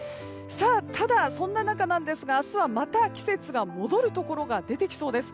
ただそんな中なんですが明日はまた季節が戻るところが出てきそうです。